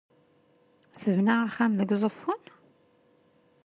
Tebna axxam deg Uzeffun?